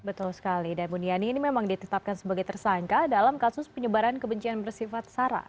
betul sekali dan buniani ini memang ditetapkan sebagai tersangka dalam kasus penyebaran kebencian bersifat sara